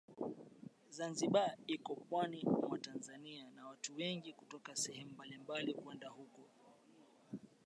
Zanzibar iko pwani mwa Tanzania na watu wengi kutoka sehemu mbalimbali kwenda huko